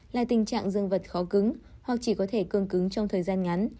là tình trạng dương vật khó cứng hoặc chỉ có thể cương cứng trong thời gian ngắn